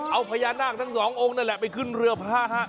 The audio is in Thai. เอาพญานาคทั้งสององค์นั่นแหละไปขึ้นเรือพระฮะ